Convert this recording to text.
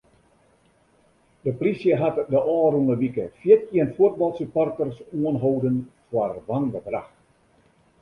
De plysje hat de ôfrûne wike fjirtjin fuotbalsupporters oanholden foar wangedrach.